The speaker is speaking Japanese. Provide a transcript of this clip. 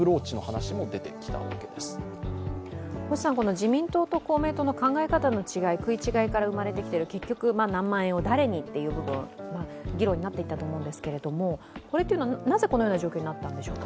自民党と公明党の考え方の違い、食い違いが生まれてきている、結局、何万円を誰にという議論になってたと思うんですけどなぜ、このような状況になったんでしょうか？